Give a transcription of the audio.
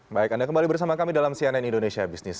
baik anda kembali bersama kami dalam cnn indonesia business